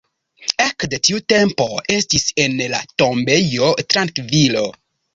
Ekde tiu tempo estis en la tombejo trankvilo.